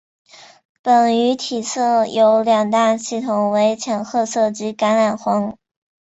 本鱼体色有两大系统为浅褐色及橄榄黄。